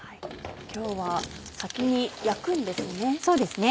今日は先に焼くんですね？